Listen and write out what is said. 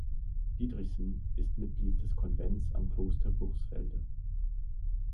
Diederichsen ist Mitglied des Konvents am Kloster Bursfelde.